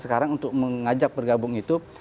sekarang untuk mengajak bergabung itu